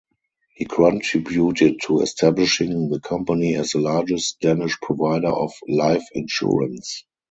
He contributed to establishing the company as the largest Danish provider of life insurance.